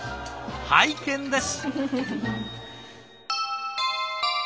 拝見です！